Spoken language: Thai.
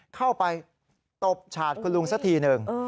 เข้าไปตบฉาดคุณลุงสักทีหนึ่ง